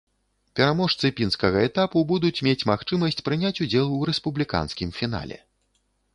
Пераможцы пінскага этапу будуць мець магчымасць прыняць удзел у рэспубліканскім фінале.